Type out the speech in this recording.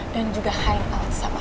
dan juga hangout sama aku